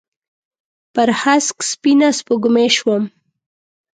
پر هسک سپینه سپوږمۍ شوم